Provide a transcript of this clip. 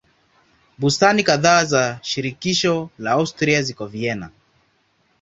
Bustani kadhaa za shirikisho la Austria ziko Vienna.